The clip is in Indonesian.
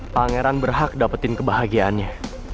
pangeran berhak dapetin kebahagiaannya